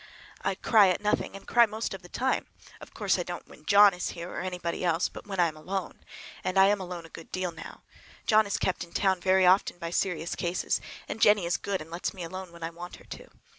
I cry at nothing, and cry most of the time. Of course I don't when John is here, or anybody else, but when I am alone. And I am alone a good deal just now. John is kept in town very often by serious cases, and Jennie is good and lets me alone when I want her to.